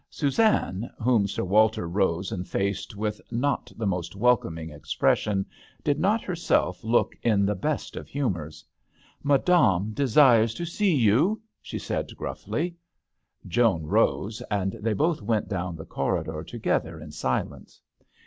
Suzanne, whom Sir Walter rose and faced with not the most welcoming expression, did not herself look in the best of humours. " Madame desires to see you," she said, grufiSy. Joan rose, and they both went down the corridor together in silence.